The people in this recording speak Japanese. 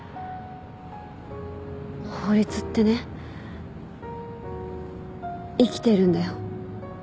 法律ってね生きてるんだよ。